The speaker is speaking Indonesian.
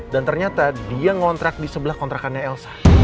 dan ternyata dia ngontrak di sebelah kontrakannya elsa